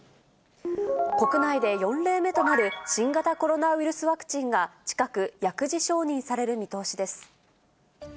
国内で４例目となる新型コロナワクチンが近く、薬事承認される見通しです。